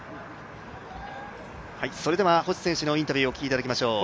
それでは星選手のインタビューをお聞きいただきましょう。